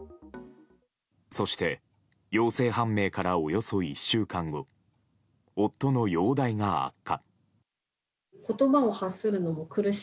そして、陽性判明からおよそ１週間後夫の容体が悪化。